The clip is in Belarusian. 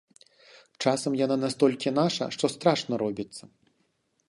Часам яна настолькі наша, што страшна робіцца.